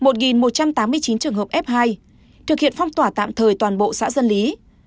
một một trăm tám mươi chín trường hợp f hai thực hiện phong tỏa tạm thời toàn bộ xã dân lý